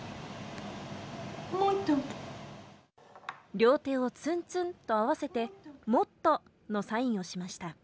両手をツンツンと合わせて「もっと」のサインをしました。